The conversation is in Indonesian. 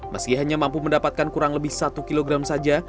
meski hanya mampu mendapatkan kurang lebih satu kilogram saja